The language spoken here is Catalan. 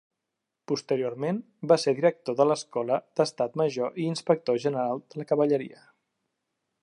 Posteriorment va ser director de l'Escola d'Estat Major i Inspector General de Cavalleria.